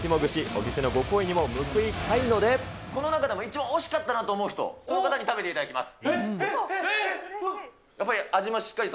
お店のご厚意にも報いたいので、この中でも一番惜しかったなという思う人、その方に食べていただきます。